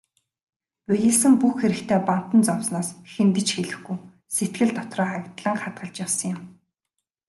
Будилсан бүх хэрэгтээ бантан зовсноос хэнд ч хэлэхгүй, сэтгэл дотроо агдлан хадгалж явсан юм.